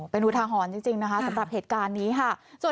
เป็นอุทาหรณ์จริงนะคะสำหรับเหตุการณ์นี้ค่ะ